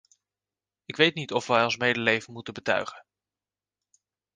Ik weet niet of wij ons medeleven moeten betuigen.